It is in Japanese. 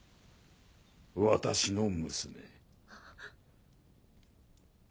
私の娘。